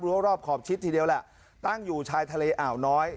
รอบขอบชิดทีเดียวแหละตั้งอยู่ชายทะเลอ่าวน้อย